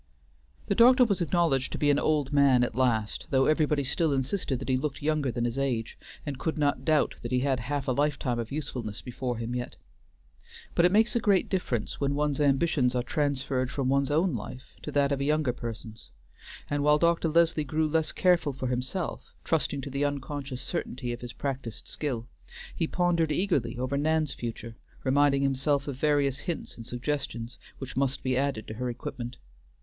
The doctor was acknowledged to be an old man at last, though everybody still insisted that he looked younger than his age, and could not doubt that he had half a lifetime of usefulness before him yet. But it makes a great difference when one's ambitions are transferred from one's own life to that of a younger person's; and while Dr. Leslie grew less careful for himself, trusting to the unconscious certainty of his practiced skill, he pondered eagerly over Nan's future, reminding himself of various hints and suggestions, which must be added to her equipment.